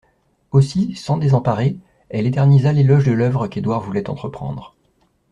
Aussi, sans désemparer, elle éternisa l'éloge de l'œuvre qu'Édouard voulait entreprendre.